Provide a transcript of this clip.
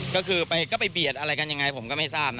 ก็คือก็ไปเบียดอะไรกันยังไงผมก็ไม่ทราบนะ